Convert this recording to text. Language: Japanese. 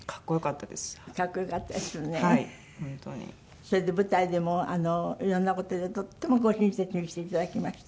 それで舞台でもいろんな事でとってもご親切にしていただきました。